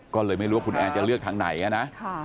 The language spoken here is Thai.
ก็เลยไม่รู้ว่าคุณแอร์จะเลือกทางไหนนะ